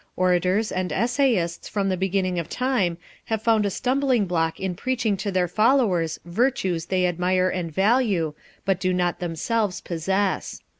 Orators and essayists from the beginning of time have found a stumbling block in preaching to their followers virtues they admire and value, but do not themselves possess.